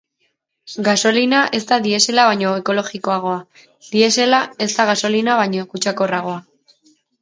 Gasolina ez da diesela baino ekologikoagoa, diesela ez da gasolina baino kutsakorragoa.